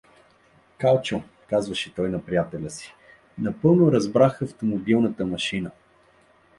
— Калчо — казваше той на приятеля си, — напълно разбрах автомобилната машина.